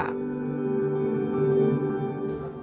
perkembangan indonesia merdeka